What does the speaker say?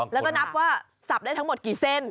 แล้วก็นับว่าสับได้ทั้งหมดกี่เส้น